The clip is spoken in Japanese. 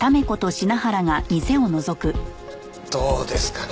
どうですかね？